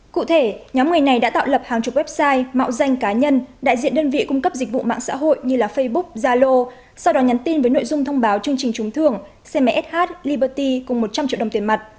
cụ thể nhóm người này đã tạo lập hàng chục website mạo danh cá nhân đại diện đơn vị cung cấp dịch vụ mạng xã hội như facebook zalo sau đó nhắn tin với nội dung thông báo chương trình trúng thưởng cmsh liberty cùng một trăm linh triệu đồng tiền mặt